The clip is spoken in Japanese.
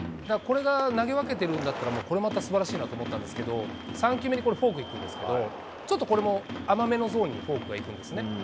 これが投げ分けてるんだったら、これまたすばらしいなと思ったんですけど、３球目にこれ、フォークいくんですが、ちょっとこれも甘めのゾーンにフォークがいくんですね。